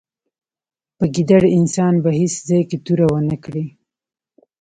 په ګیدړ انسان به په هېڅ ځای کې توره و نه کړې.